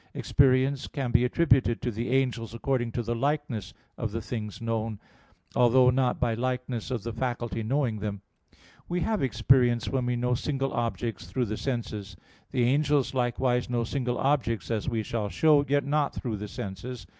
Experience can be attributed to the angels according to the likeness of the things known, although not by likeness of the faculty knowing them. We have experience when we know single objects through the senses: the angels likewise know single objects, as we shall show (Q. 57, A. 2), yet not through the senses.